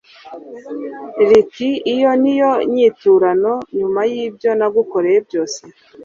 Ricky iyo niyo nyiturano nyuma y ibyo nagukoreye byose